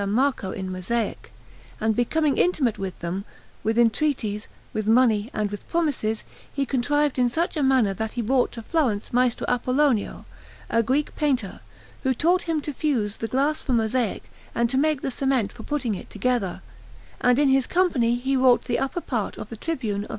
Marco in mosaic; and becoming intimate with them, with entreaties, with money, and with promises he contrived in such a manner that he brought to Florence Maestro Apollonio, a Greek painter, who taught him to fuse the glass for mosaic and to make the cement for putting it together; and in his company he wrought the upper part of the tribune of S.